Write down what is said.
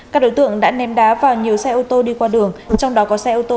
các đối tượng đã ném đá vào nhiều xe ô tô đi qua đường trong đó có xe ô tô